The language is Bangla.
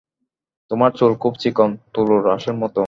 তোমার চুল খুব চিকন, তুলোর আঁশের মতো।